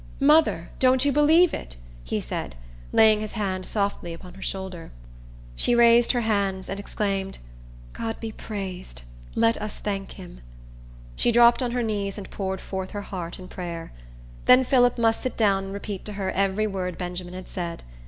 "Mother, don't you believe it?" he said, laying his hand softly upon her shoulder. She raised her hands, and exclaimed, "God be praised! Let us thank him." She dropped on her knees, and poured forth her heart in prayer. Then Phillip must sit down and repeat to her every word Benjamin had said.